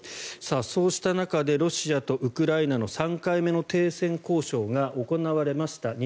そうした中でロシアとウクライナの３回目の停戦交渉が行われました。